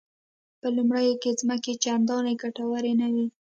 په لومړیو کې ځمکې چندانې ګټورې نه وې.